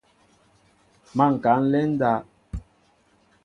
Má ŋkă a nlen ndáw.